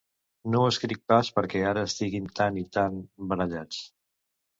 No ho escric pas perquè ara estiguin tan i tan barallats.